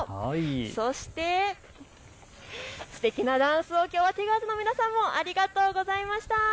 そしてすてきなダンスをきょうはティガーズの皆さんもありがとうございました。